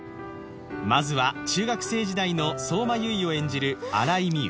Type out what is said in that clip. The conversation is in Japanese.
まずは中学生時代の相馬悠依を演じる新井美羽